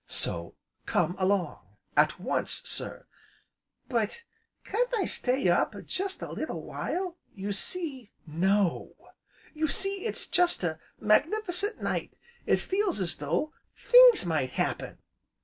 So come along at once, sir!" "But, can't I stay up jest a little while? You see " "No!" "You see, it's such a magnif'cent night! It feels as though things might happen!"